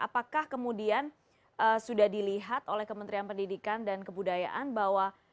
apakah kemudian sudah dilihat oleh kementerian pendidikan dan kebudayaan bahwa